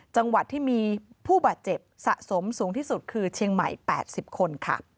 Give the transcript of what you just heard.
จังหวัดที่มีผู้บาดเจ็บสะสมสูงที่สุดคือเชียงใหม่๘๐คนค่ะ